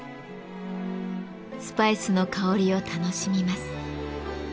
スパイスの香りを楽しみます。